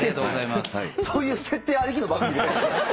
そういう設定ありきの番組でしたっけ！？